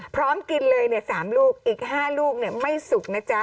พร้อมกินเลย๓ลูกอีก๕ลูกไม่สุกนะจ๊ะ